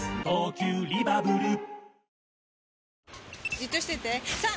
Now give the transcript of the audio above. じっとしてて３！